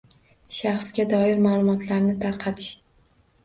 Shaxsga doir ma’lumotlarni tarqatish